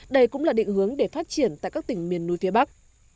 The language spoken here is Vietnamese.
đây cũng là định hướng để phát triển tại các tỉnh miền núi phía bắc